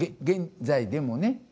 現在でもね。